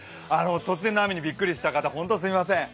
突然の雨にびっぐたした方、本当にすみません。